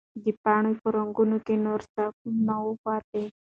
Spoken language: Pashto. د پاڼې په رګونو کې نور څه نه وو پاتې.